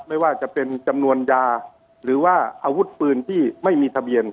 ไม่ว่าจะเป็นจำนวนยาหรือว่าอาวุธปืนที่ไม่มีทะเบียน